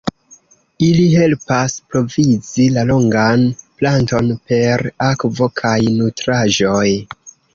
Ili helpas provizi la longan planton per akvo kaj nutraĵoj.